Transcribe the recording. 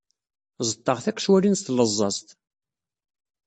Ẓeṭṭeɣ tiqecwalin s tleẓẓaẓt.